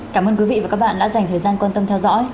cảm ơn quý vị và các bạn đã dành thời gian quan tâm theo dõi